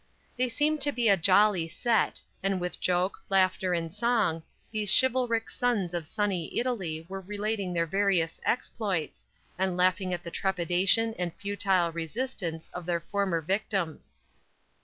They seemed to be a jolly set, and with joke, laughter and song, these chivalric sons of sunny Italy were relating their various exploits, and laughing at the trepidation and futile resistance of their former victims.